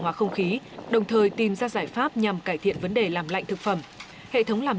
hóa không khí đồng thời tìm ra giải pháp nhằm cải thiện vấn đề làm lạnh thực phẩm hệ thống làm